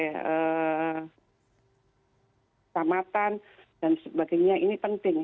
kecamatan dan sebagainya ini penting